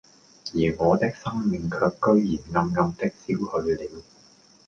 而我的生命卻居然暗暗的消去了，